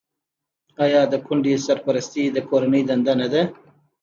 آیا د کونډې سرپرستي د کورنۍ دنده نه ده؟